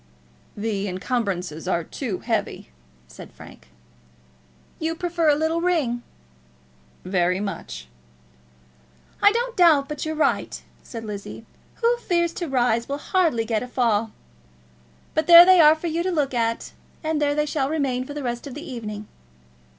"The encumbrances are too heavy," said Frank. "You prefer a little ring." "Very much." "I don't doubt but you're right," said Lizzie. "Who fears to rise will hardly get a fall. But there they are for you to look at, and there they shall remain for the rest of the evening."